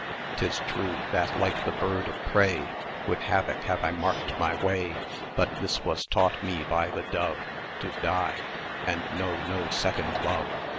'Tis true, that, like that bird of prey, With havock have I marked my way: But this was taught me by the dove, To die and know no second love.